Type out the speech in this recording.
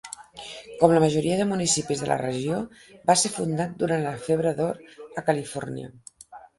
Com la majoria de municipis de la regió, va ser fundat durant la febre de l'or a Califòrnia.